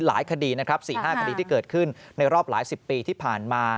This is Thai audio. หลายคดีนะครับ๔๕คดีที่เกิดขึ้นในรอบหลายสิบปีที่ผ่านมา